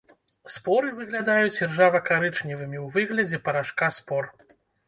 Споры выглядаюць іржава-карычневымі ў выглядзе парашка спор.